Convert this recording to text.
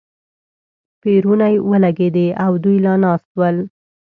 پېرونی ولګېدې او دوی لا ناست ول.